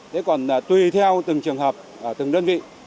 thế còn tùy theo từng trường hợp từng đơn vị